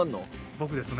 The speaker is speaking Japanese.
僕ですね。